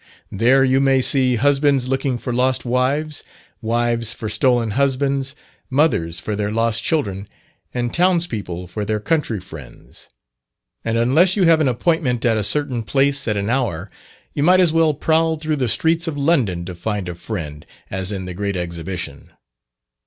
There you may see husbands looking for lost wives, wives for stolen husbands, mothers for their lost children, and towns people for their country friends; and unless you have an appointment at a certain place at an hour, you might as well prowl through the streets of London to find a friend, as in the Great Exhibition.